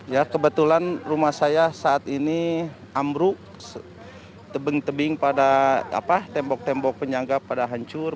ya kebetulan rumah saya saat ini ambruk tebing tebing pada tembok tembok penyangga pada hancur